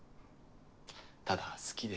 ただ好きで。